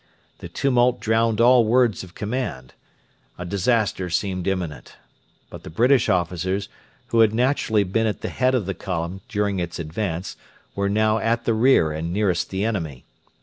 The tumult drowned all words of command. A disaster appeared imminent. But the British officers, who had naturally been at the head of the column during its advance, were now at the rear and nearest the enemy.